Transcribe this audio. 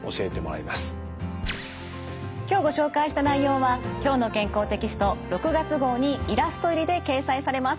今日ご紹介した内容は「きょうの健康」テキスト６月号にイラスト入りで掲載されます。